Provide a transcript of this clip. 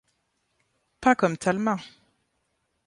Pas comme Talma !